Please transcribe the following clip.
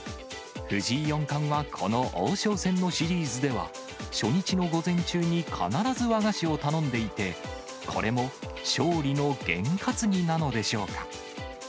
藤井四冠は、この王将戦のシリーズでは、初日の午前中に必ず和菓子を頼んでいて、これも勝利の験担ぎなのでしょうか。